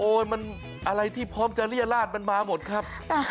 มันอะไรที่พร้อมจะเรียราชมันมาหมดครับ